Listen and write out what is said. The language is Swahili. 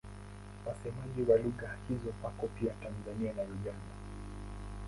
Wasemaji wa lugha hizo wako pia Tanzania na Uganda.